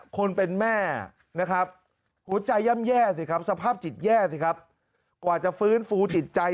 คนเป็นแม่นะครับหัวใจย่ำแย่สิครับสภาพจิตแย่สิครับกว่าจะฟื้นฟูจิตใจ